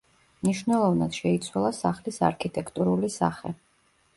მნიშვნელოვნად შეიცვალა სახლის არქიტექტურული სახე.